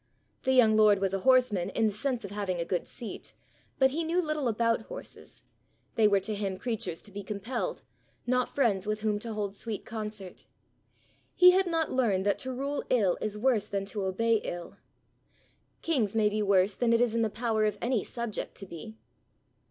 The young lord was a horseman in the sense of having a good seat; but he knew little about horses; they were to him creatures to be compelled, not friends with whom to hold sweet concert. He had not learned that to rule ill is worse than to obey ill. Kings may be worse than it is in the power of any subject to be.